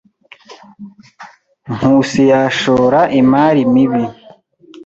Nkusi yashora imari mibi.